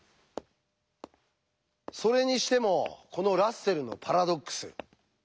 それにしてもこのラッセルのパラドックス